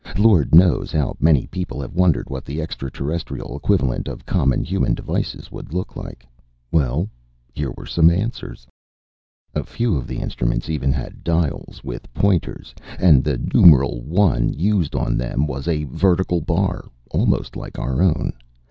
Lord knows how many people have wondered what the extraterrestrial equivalents of common human devices would look like. Well, here were some answers. A few of the instruments even had dials with pointers. And the numeral 1 used on them was a vertical bar, almost like our own.